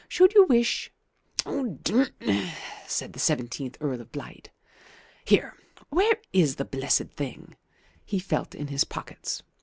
Should you wish " "D n!" said the seventeenth Earl of Blight. "Here, where is the blessed thing?" He felt in his pockets.